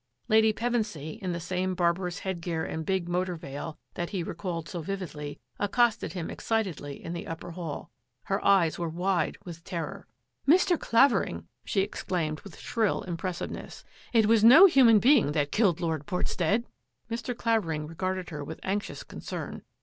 Lady Pevensy, in the same barbarous headgear and big motor veil that he recalled so vividly, ac costed him excitedly in the upper hall. Her eyes were wide with terror. " Mr. Clavering," she exclaimed with shrill im pressiveness, " it was no himian being that killed Lord Portstead !" Mr. Clavering regarded her with anxious con cern.